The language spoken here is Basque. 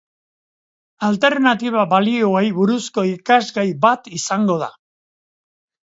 Alternatiba balioei buruzko ikasgai bat izango da.